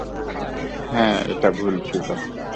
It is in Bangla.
হ্যাঁ, এটা ভুল ছিল।